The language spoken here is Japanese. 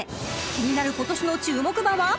［気になる今年の注目馬は］